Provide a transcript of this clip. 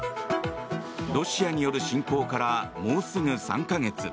ロシアによる侵攻からもうすぐ３か月。